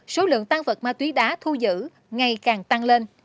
số lượng tăng vật ma túy đá thu giữ ngày càng tăng lên